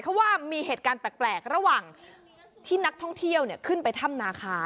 เพราะว่ามีเหตุการณ์แปลกระหว่างที่นักท่องเที่ยวขึ้นไปถ้ำนาคา